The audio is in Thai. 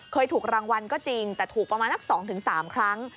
เคยถูกรางวัลก็จริงแต่ถูกประมาณสัก๒๓ครั้ง